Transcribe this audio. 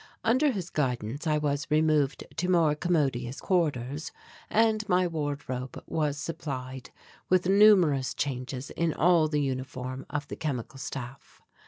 Under his guidance I was removed to more commodious quarters and my wardrobe was supplied with numerous changes all in the uniform of the Chemical Staff.